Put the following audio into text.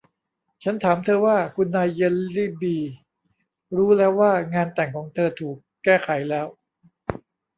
ฉันถามเธอว่า คุณนายเจลลี่บี่ รู้แล้วว่างานแต่งของเธอถูกแก้ไขแล้ว